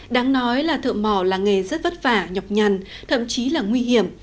đáng nói là thợ mỏ là nghề rất vất vả nhọc nhằn thậm chí là nguy hiểm